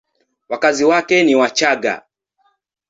Wakazi wake ni Wachagga.